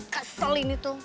kesel ini tuh